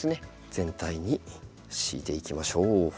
全体に敷いていきましょう。